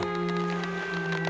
empat empat empat empat puluh empat jam